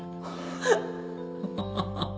ハハハハ